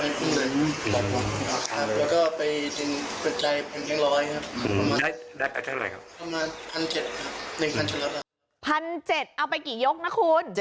๑๗๐๐เอาไปกี่ยกนะคุณ